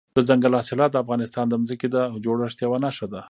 دځنګل حاصلات د افغانستان د ځمکې د جوړښت یوه نښه ده.